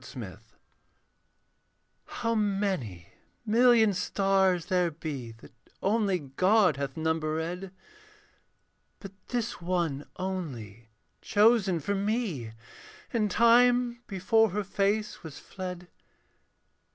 AT NIGHT How many million stars there be, That only God hath numberéd; But this one only chosen for me In time before her face was fled.